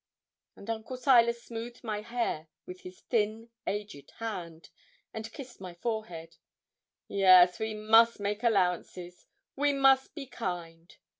And Uncle Silas smoothed my hair with his thin aged hand, and kissed my forehead. 'Yes, we must make allowances; we must be kind.